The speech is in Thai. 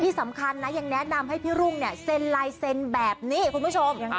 สำคัญนะยังแนะนำให้พี่รุ่งเนี่ยเซ็นลายเซ็นแบบนี้คุณผู้ชม